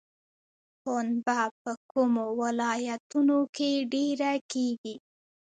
پنبه په کومو ولایتونو کې ډیره کیږي؟